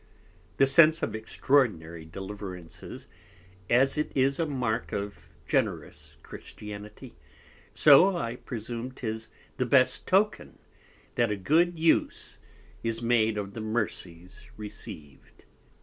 The Sense of extraordinary Deliverances, as it is a Mark of Generous Christianity, so I presume 'tis the best Token, that a good Use is made of the Mercies receiv'd.